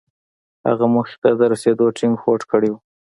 هغه موخې ته د رسېدو ټينګ هوډ کړی و.